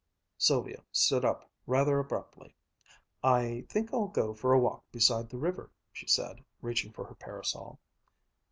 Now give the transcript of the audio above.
Sylvia stood up, rather abruptly. "I think I'll go for a walk beside the river," she said, reaching for her parasol.